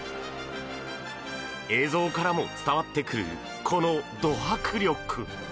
映像からも伝わってくるこの、ど迫力。